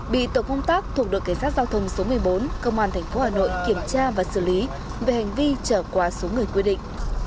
bị tổ công tác thuộc đội cảnh sát giao thông số một mươi bốn công an thành phố hà nội kiểm tra và xử lý về hành vi chở quá số người quy định